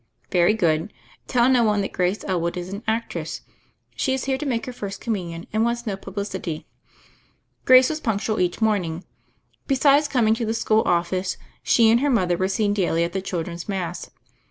"Very good: tell no one that Grace Elwood is an actress. She is here to make her First Communion, and wants no publicity." Grace was punctual each morning. Besides coming to the school office she and her mother were seen daily at the children's Mass.